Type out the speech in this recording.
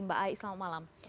mbak aim selamat malam